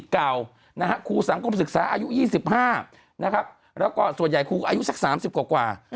ครูสังคมศึกษาอายุ๒๕นะครับแล้วก็ส่วนใหญ่ครูอายุสัก๓๐กว่า